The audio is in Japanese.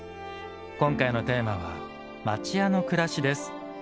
今回のテーマは「町家の暮らし」です。